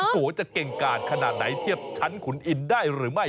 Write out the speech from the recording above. กลัวจะเก่งกาดขนาดไหนเทียบชั้นขุนอินได้หรือไม่